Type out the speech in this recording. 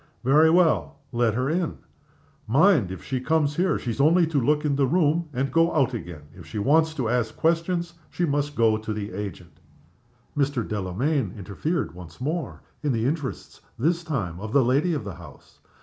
"Very well. Let her in. Mind, if she comes here, she's only to look into the room, and go out again. If she wants to ask questions, she must go to the agent." Mr. Delamayn interfered once more, in the interests, this time, of the lady of the house.